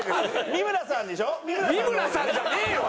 三村さんじゃねえわ！